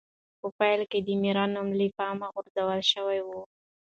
په پیل کې د ماري نوم له پامه غورځول شوی و.